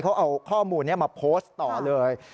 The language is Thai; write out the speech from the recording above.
เขาเอาข้อมูลนี้มาโพสต์ต่อเลย